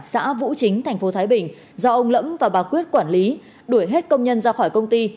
xã vũ chính tp thái bình do ông lẫm và bà quyết quản lý đuổi hết công nhân ra khỏi công ty